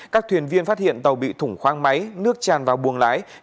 các thuyền viên phát hiện tàu bị thủng khoang máy nước tràn vào buồng lái